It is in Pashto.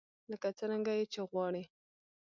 لکه څرنګه يې چې غواړئ.